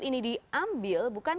ini diambil bukan